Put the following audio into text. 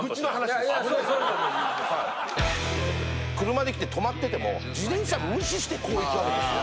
車で来て停まってても自転車が無視してこう行く訳ですよ。